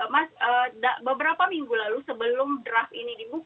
mas beberapa minggu lalu sebelum draft ini dibuka